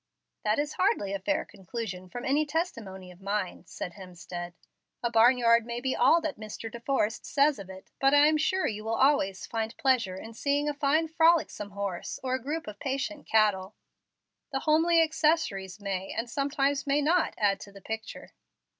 "That is hardly a fair conclusion from any testimony of mine," said Hemstead. "A barn yard may be all that Mr. De Forrest says of it, but I am sure you will always find pleasure in seeing a fine frolicsome horse or a group of patient cattle. The homely accessories may, and sometimes may not, add to the picture."